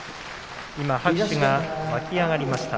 今、拍手が沸き上がりました。